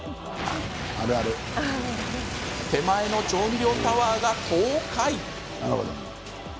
手前の調味料タワーが倒壊。